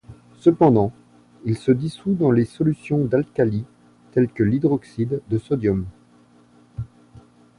Cependant, il se dissout dans les solutions d'alcalis tel que l’hydroxyde de sodium.